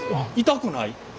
痛くない。